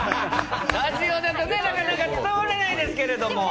ラジオだとなかなか伝わらないですけれども。